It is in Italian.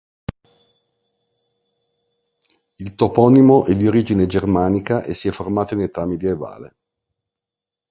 Il toponimo è di origine germanica e si è formato in età medievale.